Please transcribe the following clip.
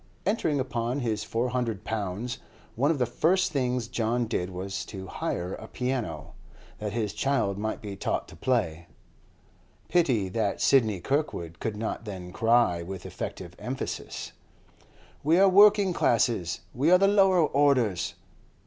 Entering upon his four hundred pounds, one of the first things John did was to hire a piano, that his child might be taught to play. Pity that Sidney Kirkwood could not then cry with effective emphasis, 'We are the working classes! we are the lower orders!